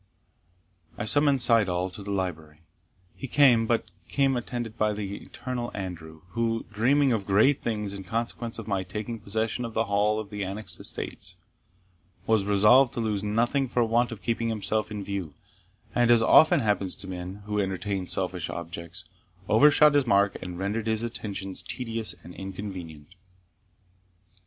I summoned Syddall to the library. He came, but came attended by the eternal Andrew, who, dreaming of great things in consequence of my taking possession of the Hall and the annexed estates, was resolved to lose nothing for want of keeping himself in view; and, as often happens to men who entertain selfish objects, overshot his mark, and rendered his attentions tedious and inconvenient.